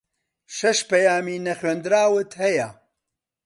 شەش پەیامی نەخوێندراوت ھەیە.